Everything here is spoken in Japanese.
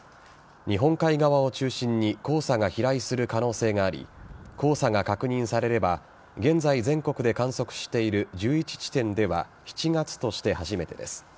日本海側を中心に黄砂が飛来する可能性があり黄砂が確認されれば現在、全国で観測している１１地点では７月として初めてです。